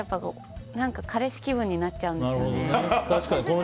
彼氏気分になっちゃうんです。